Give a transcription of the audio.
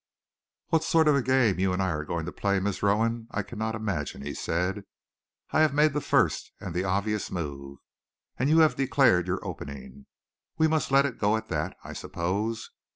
"What sort of a game you and I are going to play, Miss Rowan, I cannot imagine," he said. "I have made the first and the obvious move, and you have declared your opening. We must let it go at that, I suppose.